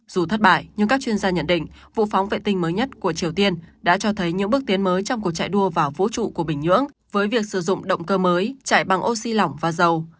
dù thất bại nhưng các chuyên gia nhận định vụ phóng vệ tinh mới nhất của triều tiên đã cho thấy những bước tiến mới trong cuộc chạy đua vào vũ trụ của bình nhưỡng với việc sử dụng động cơ mới chạy bằng oxy lỏng và dầu